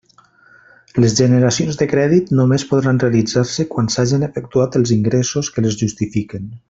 Les generacions de crèdit només podran realitzar-se quan s'hagen efectuat els ingressos que les justifiquen.